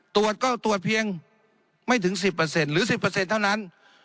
ตรวจก็ตรวจเพียงไม่ถึง๑๐หรือ๑๐เท่านั้น